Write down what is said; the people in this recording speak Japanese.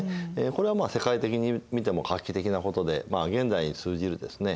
これは世界的に見ても画期的なことで現代に通じるですね